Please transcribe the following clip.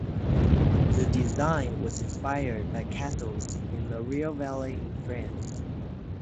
The design was inspired by castles in Loire Valley in France.